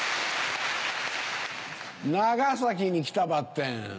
長崎に来たばってん